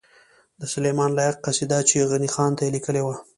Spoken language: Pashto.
د سلیمان لایق قصیده چی غنی خان ته یی لیکلې وه